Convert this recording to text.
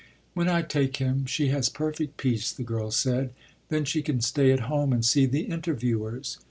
"When I take him she has perfect peace," the girl said; "then she can stay at home and see the interviewers.